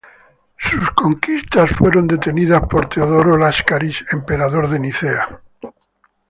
Sus conquistas fueron detenidas por Teodoro Láscaris, emperador de Nicea.